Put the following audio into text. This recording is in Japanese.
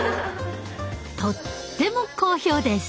とっても好評です。